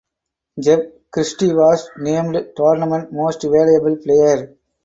Jeff Christy was named Tournament Most Valuable Player.